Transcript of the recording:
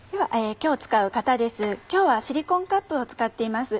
今日はシリコンカップを使っています。